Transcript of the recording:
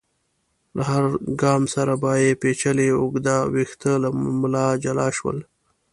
له هر ګام سره به يې پيچلي اوږده ويښته له ملا جلا شول.